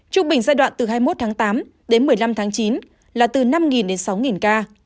trung bình giai đoạn từ hai mươi một tháng tám đến một mươi năm tháng chín là từ năm đến sáu ca